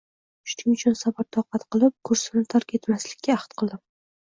Shuning uchun sabr-toqat qilib, kursini tark etmaslikka ahd qildim